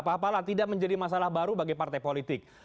pak hapala tidak menjadi masalah baru bagi partai politik